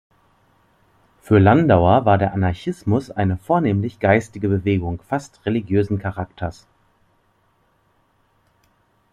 Für Landauer war der Anarchismus eine vornehmlich geistige Bewegung fast religiösen Charakters.